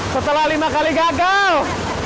setelah lima kali gagal